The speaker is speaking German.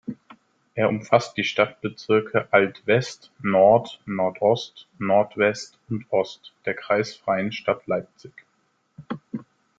Er umfasst die Stadtbezirke Alt-West, Nord, Nordost, Nordwest und Ost der kreisfreien Stadt Leipzig.